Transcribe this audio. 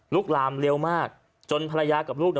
ลามเร็วมากจนภรรยากับลูก